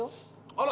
あら。